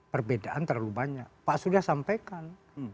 perbedaan terlalu banyak pak surya sampaikan